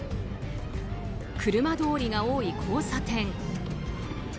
車どおりが多い交差点。